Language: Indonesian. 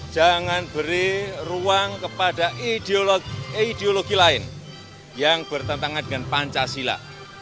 jangan beri ruang kepada ideologi lain yang bertentangan dengan pancasila